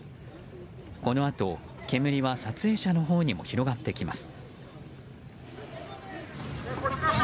このあと、煙は撮影者のほうにも広がってきます。